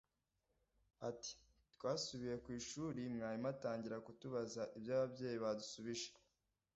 Ati “Twasubiye ku ishuri mwarimu atangira kutubaza ibyo ababyeyi badusubije